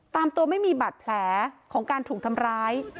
ตามตัวไม่มีบาดแผลของการถูกทำร้าย